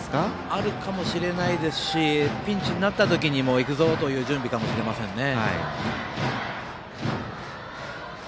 あるかもしれないですしピンチになった時に、行くぞという準備かもしれませんね。